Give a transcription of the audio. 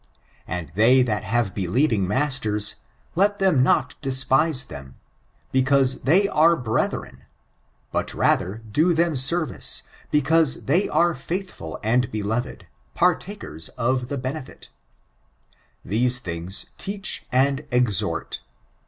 And they that have beliering masters, let ihem not deapiae diem, because they are breduren, but rather do them service, because they are faithful and belofed — partakers of the benefit These dungs teach and exhort.